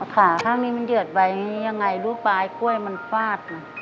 ขาข้างนี้มันเดือดใบยังไงลูกบ่ายกล้วยมันฟาด